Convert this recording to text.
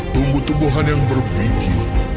tumbuh tumbuhan yang berbiji